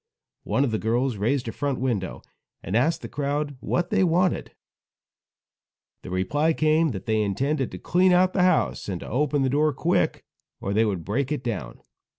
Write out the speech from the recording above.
One of the girls raised a front window and asked the crowd what they wanted. The reply came that they intended to clean out the house, and to open the door quick, or they would break it down.